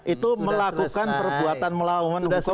itu melakukan perbuatan melawan hukum oleh penguasa